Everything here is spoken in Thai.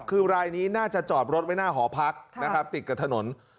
คือรายนี้น่าจะจอดรถไว้หน้าหอพักนะครับติดกับถนน